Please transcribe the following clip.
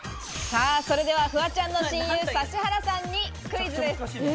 それではフワちゃんの親友・指原さんにクイズです。